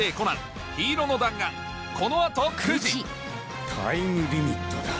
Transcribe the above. この後９時９時タイムリミットだ。